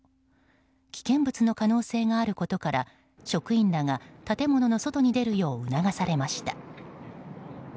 危険物の可能性があることから職員らが建物の外に出るよう促されました。